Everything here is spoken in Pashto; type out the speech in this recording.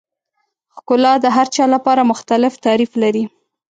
ښکلا د هر چا لپاره مختلف تعریف لري.